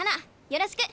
よろしく。